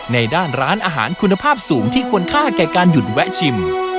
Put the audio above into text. ในด้านร้านอาหารคุณภาพสูงที่ควรค่าแก่การหยุดแวะชิม